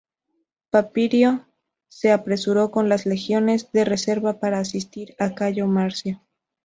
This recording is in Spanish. Papirio se apresuró con las legiones de reserva para asistir a Cayo Marcio.